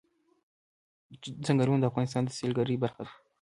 چنګلونه د افغانستان د سیلګرۍ برخه ده.